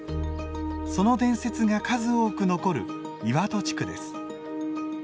その伝説が数多く残る岩戸地区です。